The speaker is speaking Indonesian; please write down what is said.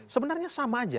sebenarnya sama saja